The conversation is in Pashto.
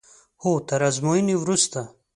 هو تر ازموینې وروسته.